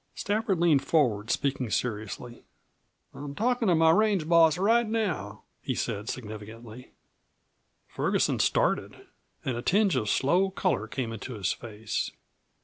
Stafford leaned forward, speaking seriously. "I'm talkin' to my range boss right now!" he said significantly. Ferguson started, and a tinge of slow color came into his face.